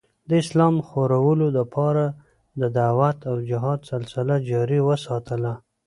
د اسلام خورلو دپاره د دعوت او جهاد سلسله جاري اوساتله